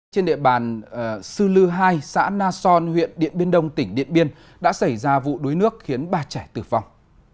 trên địa bàn sư lư hai xã na son huyện điện biên đông tỉnh điện biên đã xảy ra vụ đuối nước khiến ba trẻ tử vong